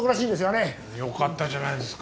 よかったじゃないですか。